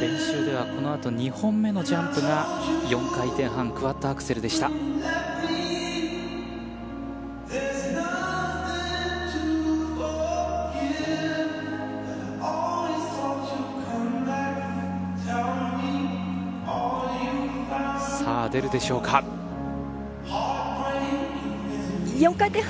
練習ではこのあと２本目のジャンプが４回転半クワッドアクセルでしたさあ出るでしょうか４回転半！